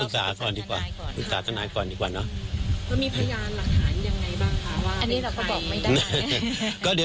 เพราะตอนนี้ท่านายก็อยู่กลางประเทศด้วย